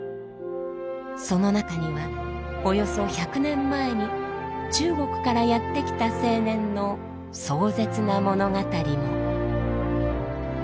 その中にはおよそ１００年前に中国からやってきた青年の壮絶な物語も。